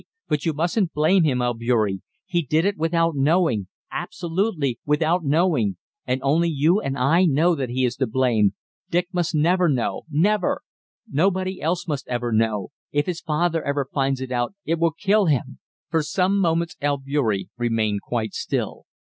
But you mustn't blame him, Albeury he did it without knowing absolutely without knowing! And only you and I know that he is to blame. Dick must never know never. Nobody else must ever know. If his father ever finds it out, it will kill him." For some moments Albeury remained quite still.